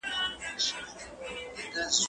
زه کولای سم ليکنې وکړم؟!